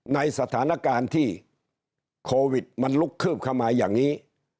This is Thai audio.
ในสถานการณ์ที่โควิดมันลุกคืบเข้ามาอย่างนี้